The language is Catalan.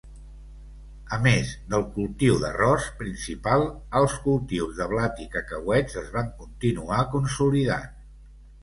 A més del cultiu d'arròs principal, els cultius de blat i cacauets es van continuar consolidant.